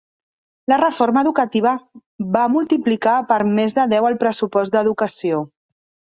La reforma educativa va multiplicar per més de deu el pressupost d'educació.